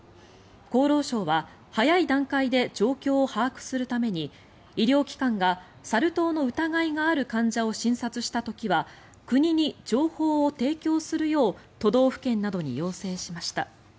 厚労省は早い段階で状況を把握するために医療機関がサル痘の疑いがある患者を診察した時は国に情報を提供するよう都道府県などに要請しました。